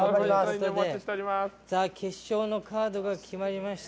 決勝のカードが決まりました。